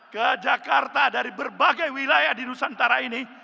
ke jakarta dari berbagai wilayah di nusantara ini